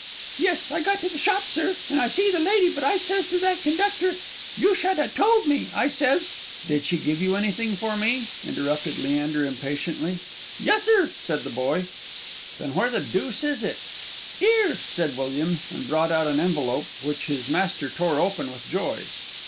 "Yes, I got to the shop, sir, and I see the lady; but I sez to that conductor, 'You should ha' told me,' I sez " "Did she give you anything for me?" interrupted Leander, impatiently. "Yessur," said the boy. "Then where the dooce is it?" "'Ere!" said William, and brought out an envelope, which his master tore open with joy.